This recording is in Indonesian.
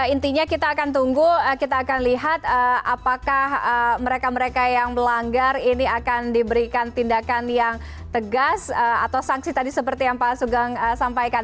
intinya kita akan tunggu kita akan lihat apakah mereka mereka yang melanggar ini akan diberikan tindakan yang tegas atau sanksi tadi seperti yang pak sugeng sampaikan